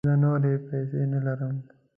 زه نوری پیسې نه لرم